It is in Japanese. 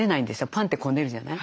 パンってこねるじゃない？